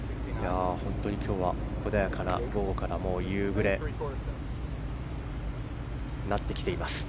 今日は穏やかな夕暮れになってきています。